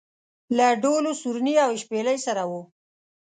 له ډول و سورني او شپېلۍ سره و.